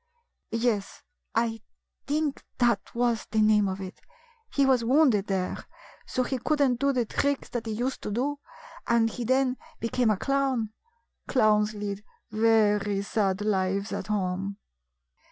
" Yes, I think that was the name of it. He was wounded there, so he could n't do the tricks he used to do, and he then became a clown. Clowns lead very sad lives at home."